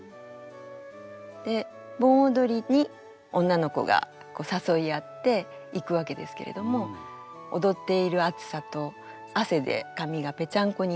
で盆踊りに女の子が誘い合って行くわけですけれども踊っている暑さと汗で髪がぺちゃんこになっているっていう。